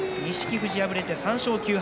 富士を敗れて３勝９敗。